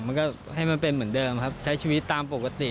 มันก็ให้มันเป็นเหมือนเดิมครับใช้ชีวิตตามปกติ